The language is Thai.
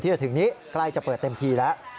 จะถึงนี้ใกล้จะเปิดเต็มทีแล้ว